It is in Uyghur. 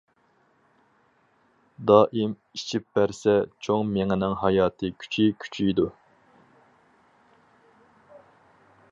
دائىم ئىچىپ بەرسە، چوڭ مېڭىنىڭ ھاياتىي كۈچى كۈچىيىدۇ.